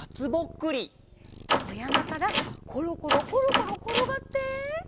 おやまからころころころころころがって。